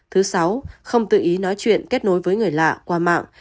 thứ sáu không tự ý nói chuyện kết nối với người lạ qua mạng